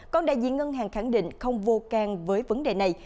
còn đại diện ngân hàng khẳng định không vô can với vấn đề này